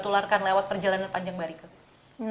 tularkan lewat perjalanan panjang mbak rike